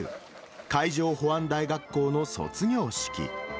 海上保安大学校の卒業式。